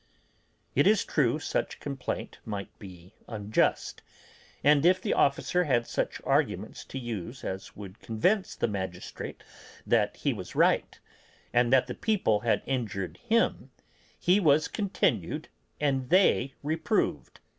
It is true such complaint might be unjust, and if the officer had such arguments to use as would convince the magistrate that he was right, and that the people had injured him, he was continued and they reproved.